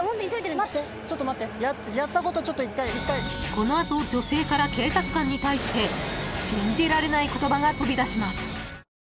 ［この後女性から警察官に対して信じられない言葉が飛び出します］